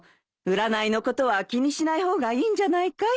占いのことは気にしない方がいいんじゃないかい？